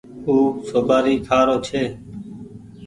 او سوپآري کآ رو ڇي ۔